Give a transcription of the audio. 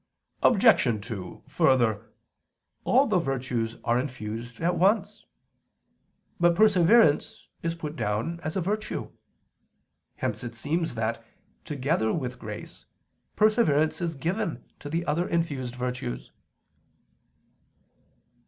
Obj. 2: Further, all the virtues are infused at once. But perseverance is put down as a virtue. Hence it seems that, together with grace, perseverance is given to the other infused virtues.